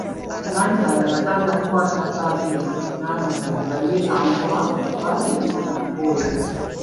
Nnakyala yakanda kukwata bba ntege n'amagulu nga ye amugoba kuba yali amukooye.